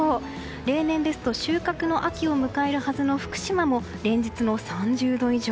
例年ですと収穫の秋を迎えるはずの福島も連日の３０度以上。